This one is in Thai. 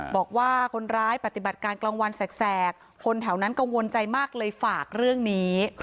บอกว่าคนร้ายปฏิบัติการกลางวันแสกคนแถวนั้นกังวลใจมากเลยฝากเรื่องนี้